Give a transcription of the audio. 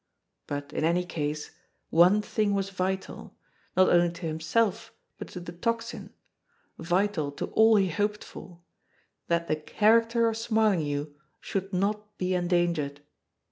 But in any case, one thing was vital, not only to himself but to the Tocsin, vital to all he hoped for that the character of Smarlinghue should not be endangered.